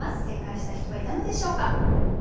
正解した人はいたのでしょうか。